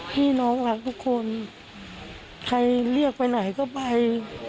พี่น้องรักทุกคนใครเรียกไปไหนก็ไป